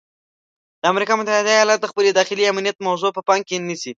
د امریکا متحده ایالات خپل داخلي امنیت موضوع په پام کې نیسي.